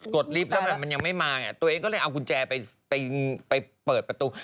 ดลิฟต์แล้วมันยังไม่มาไงตัวเองก็เลยเอากุญแจไปเปิดประตู